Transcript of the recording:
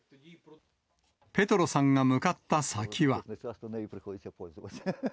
ペトロさんが向かった先は。